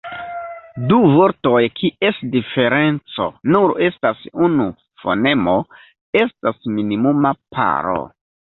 Du vortoj kies diferenco nur estas unu fonemo estas minimuma paro.